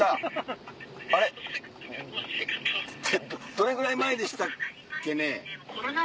どれぐらい前でしたっけね？